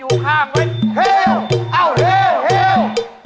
เอาเพลงเรือดีกว่า